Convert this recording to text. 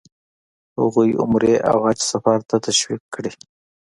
هغوی عمرې او حج سفر ته تشویق کړي.